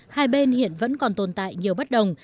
hai bên hiện vẫn còn tồn tại nhiều bất đồng